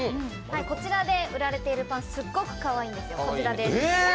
こちらで売られているパン、すっごくかわいいんですよ。